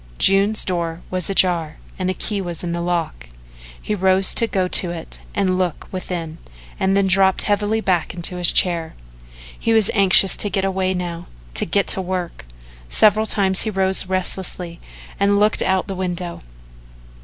June's door was ajar and the key was in the lock. He rose to go to it and look within and then dropped heavily back into his chair. He was anxious to get away now to get to work. Several times he rose restlessly and looked out the window.